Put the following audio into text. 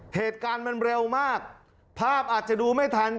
เหตุการณ์มันเร็วมากภาพอาจจะดูไม่ทัน